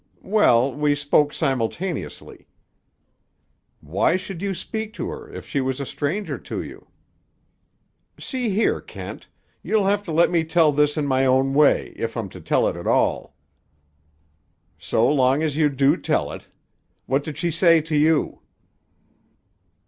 "Well, we spoke simultaneously." "Why should you speak to her, if she was a stranger to you?" "See here, Kent! You'll have to let me tell this in my own way, if I'm to tell it at all." "So long as you do tell it. What did she say to you?"